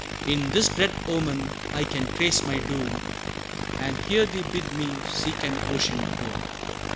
In this dread omen I can trace my doom, And hear thee bid me seek an ocean tomb.